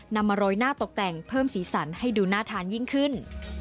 นำมาโรยหน้าตกแต่งเพิ่มสีสันให้ดูน่าทานยิ่งขึ้น